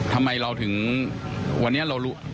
ทำไมเราถึงวันนี้เรารู้